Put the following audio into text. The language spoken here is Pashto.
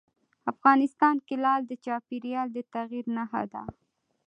افغانستان کې لعل د چاپېریال د تغیر نښه ده.